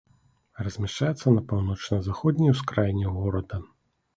Размяшчаецца на паўночна-заходняй ускраіне горада.